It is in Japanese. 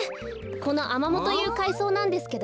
このアマモというかいそうなんですけどね。